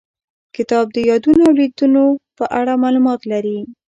کتاب د یادونو او لیدنو په اړه معلومات لري.